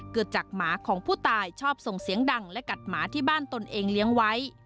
เกิดจากหมาของผู้ตายชอบส่งเสียงดังและกัดหมาที่บ้านตนเองเลี้ยงไว้